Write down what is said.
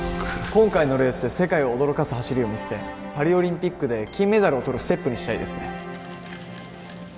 今回のレースで世界を驚かす走りを見せてパリオリンピックで金メダルをとるステップにしたいですね